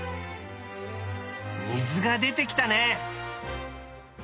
水が出てきたね。